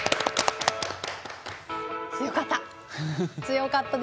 強かった。